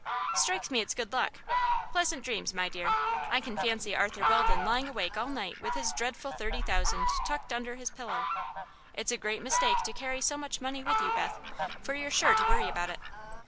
"Strikes me it's good luck. Pleasant dreams, my dear. I can fancy Arthur Weldon lying awake all night with his dreadful thirty thousand tucked under his pillow. It's a great mistake to carry so much money with you, Beth, for you're sure to worry about it."